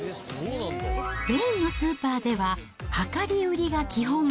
スペインのスーパーでは量り売りが基本。